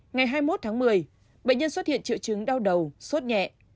ngày hai mươi một tháng một mươi bệnh nhân xuất hiện triệu chứng đau đầu suốt nhẹ